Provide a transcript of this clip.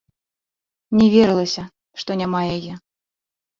Не верылася, што няма яе.